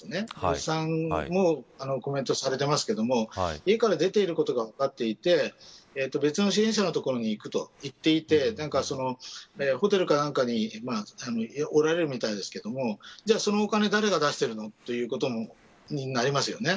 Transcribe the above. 伯父さんもコメントされていますが家から出ていることが分かっていて別の支援者のところにいると言っていてホテルかなんかにおられるみたいですけどでは、そのお金を誰が出しているのということになりますよね。